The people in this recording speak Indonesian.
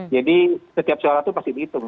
jadi setiap suara itu pasti dihitung